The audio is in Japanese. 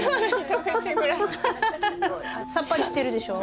さっぱりしてるでしょ？